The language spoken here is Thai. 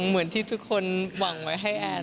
เหมือนที่ทุกคนหวังไว้ให้แอน